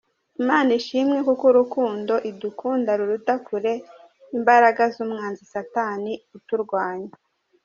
Imana ishimwe kuko urukundo idukunda ruruta kure imbaraga z’umwanzi Satani uturwanya.